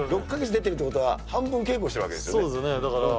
６か月出てるということは半分稽古してるわけですよね。